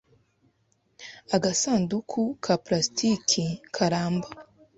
Agasanduku ka plastiki karamba.